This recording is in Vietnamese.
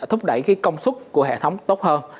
thúc đẩy công suất của hệ thống tốt hơn